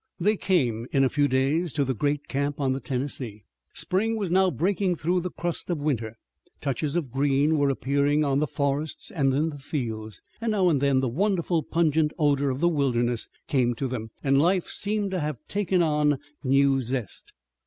They came in a few days to the great camp on the Tennessee. Spring was now breaking through the crust of winter. Touches of green were appearing on the forests and in the fields. Now and then the wonderful pungent odor of the wilderness came to them and life seemed to have taken on new zest.